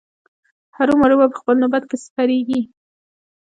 هرو مرو به په خپل نوبت کې سپریږي.